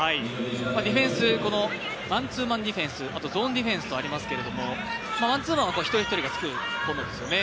ディフェンスマンツーマンディフェンスあとゾーンディフェンスとありますけどマンツーマンは一人一人が作るものですよね。